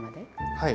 はい。